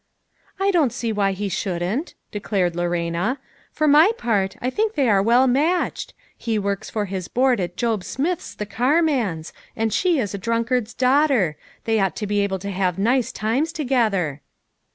"I don't see why he shouldn't," declared Lorena. "For my part, I think they are well matched ; he works for his board at Job Smith's the carman's, and she is a drunkard's daughter ; they ought to be able to have nice times to gether."